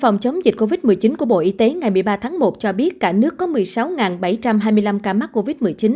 phòng chống dịch covid một mươi chín của bộ y tế ngày một mươi ba tháng một cho biết cả nước có một mươi sáu bảy trăm hai mươi năm ca mắc covid một mươi chín